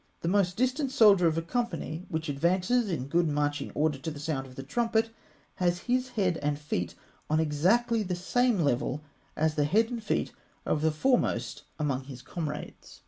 The most distant soldier of a company which advances in good marching order to the sound of the trumpet, has his head and feet on exactly the same level; as the head and feet of the foremost among his comrades (fig.